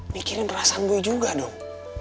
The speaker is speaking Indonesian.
mikirin perasaan boy juga dong